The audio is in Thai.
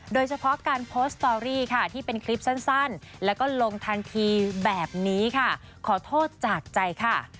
โดยเฉพาะการโพสต์สตอรี่ค่ะที่เป็นคลิปสั้นแล้วก็ลงทันทีแบบนี้ค่ะขอโทษจากใจค่ะ